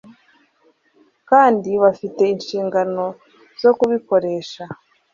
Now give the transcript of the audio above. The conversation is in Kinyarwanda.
kandi bafite inshingano zo kubikoresha